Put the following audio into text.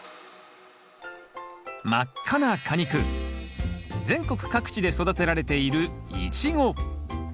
真っ赤な果肉全国各地で育てられているイチゴ。